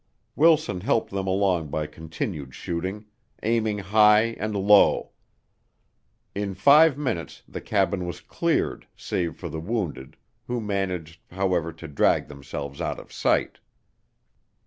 Wilson helped them along by continued shooting aiming high and low. In five minutes the cabin was cleared save for the wounded, who managed, however, to drag themselves out of sight.